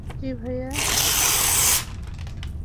জি, ভাইয়া।